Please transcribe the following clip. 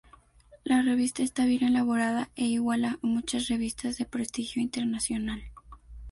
La revista está bien elaborada e iguala a muchas revistas de prestigio internacional.